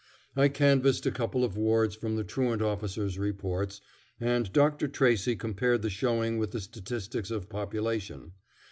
I canvassed a couple of wards from the truant officers' reports, and Dr. Tracy compared the showing with the statistics of population.